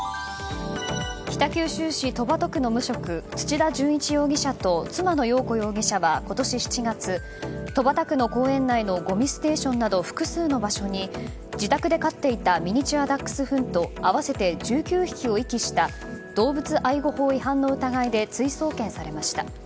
北九州市戸畑区の無職土田順一容疑者と妻の容子容疑者は今年７月戸畑区の公園内のごみステーションなど複数の場所に自宅で飼っていたミニチュアダックスフント合わせて１９匹を遺棄した動物愛護法違反の疑いで追送検されました。